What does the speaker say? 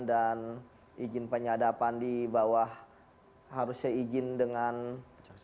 dan ijin penyadapan di bawah harusnya ijin dengan dewan pengawas